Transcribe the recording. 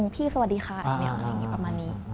พี่สวัสดีค่ะอย่างนี้ประมาณนี้